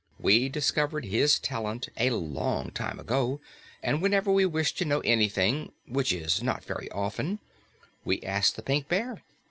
We discovered his talent a long time ago, and whenever we wish to know anything which is not very often we ask the Pink Bear.